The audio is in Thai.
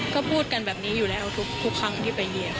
ก็พูดกันแบบนี้อยู่แล้วทุกครั้งที่ไปเรียน